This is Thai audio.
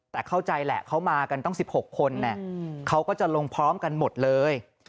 แต่เข้าใจแหละเขามากันตั้ง๑๖คนเขาก็จะลงพร้อมกันหมดเลย